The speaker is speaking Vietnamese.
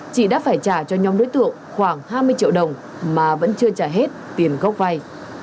chị đã phải trả cho nhóm đối tượng khoảng hai mươi triệu đồng mà vẫn chưa trả hết tiền gốc vay